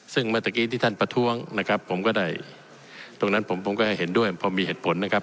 ซึ่งเมื่อตะกี้ที่ท่านประท้วงนะครับผมก็ได้ตรงนั้นผมผมก็ให้เห็นด้วยพอมีเหตุผลนะครับ